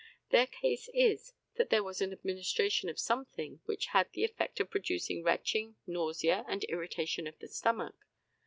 Their case is, that there was an administration of something which had the effect of producing retching, nausea, and irritation of the stomach.